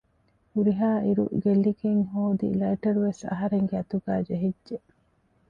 ހުރިހާއިރު ގެއްލިގެން ހޯދި ލައިޓަރުވެސް އަހަރެންގެ އަތުގައި ޖެހިއްޖެ